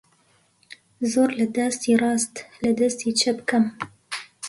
زۆر لە دەستی ڕاست لە دەستی چەپ کەم